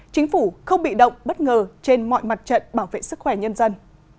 chính phủ không bị động bất ngờ trên mọi mặt trận bảo vệ sức khỏe nhân dân